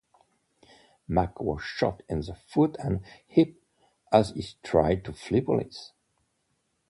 Mack was shot in the foot and hip as he tried to flee police.